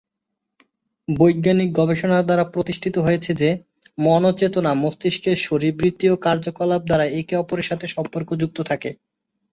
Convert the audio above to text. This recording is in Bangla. বৈজ্ঞানিক গবেষণার দ্বারা প্রতিষ্ঠিত হয়েছে যে, মন ও চেতনা মস্তিষ্কের শারীরবৃত্তীয় কার্যকলাপ দ্বারা একে অপরের সাথে সম্পর্কযুক্ত থাকে।